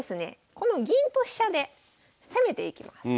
この銀と飛車で攻めていきます。